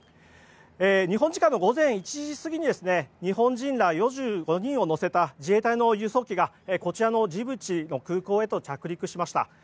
日本時間の午前１時過ぎに日本人ら４５人を乗せた自衛隊の輸送機がこちらのジブチの空港へと着陸しました。